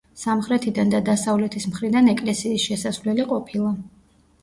სამხრეთიდან და დასავლეთის მხრიდან ეკლესიის შესასვლელი ყოფილა.